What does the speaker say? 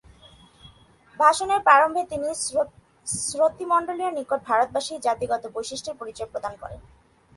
ভাষণের প্রারম্ভে তিনি শ্রোতৃমণ্ডলীর নিকট ভারতবাসীর জাতিগত বৈশিষ্ট্যের পরিচয় প্রদান করেন।